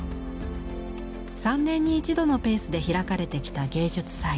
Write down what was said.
３年に一度のペースで開かれてきた芸術祭。